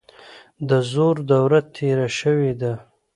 د زور دوره تیره شوې ده.